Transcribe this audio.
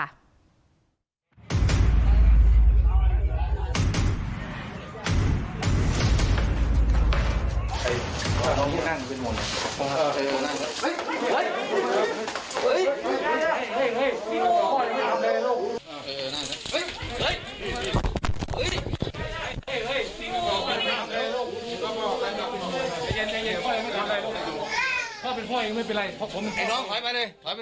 วินาธีที่ยาดของนางสาวสี